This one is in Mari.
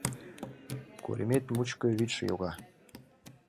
Коремет мучко вӱдшӧ йога